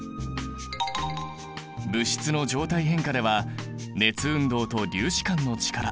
物質の状態変化では熱運動と粒子間の力